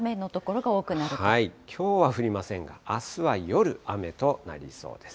きょうは降りませんが、あすは夜、雨となりそうです。